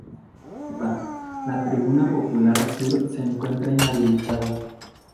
Nota: La tribuna popular sur se encuentra inhabilitada.